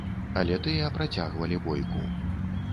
Але тыя працягвалі бойку.